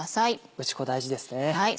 打ち粉大事ですね。